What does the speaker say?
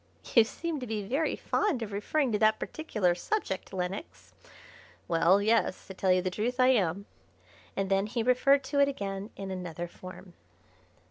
'" "You seem to be very fond of referring to that particular subject, Lenox." "Well, yes; to tell you the truth I am," and then he referred to it again in another form.